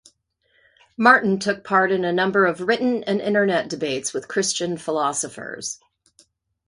Martin took part in a number of written and internet debates with Christian philosophers.